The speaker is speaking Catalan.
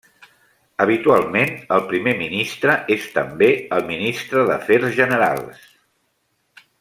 Habitualment, el primer ministre és també el Ministre d'Afers Generals.